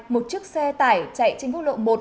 một chiếc xe tải chạy trên quốc lộ một